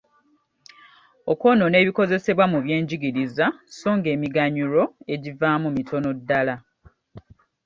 Okwonoona ebikozesebwa mu by’enjigiriza sso ng’emiganyulo egivaamu mitono ddala.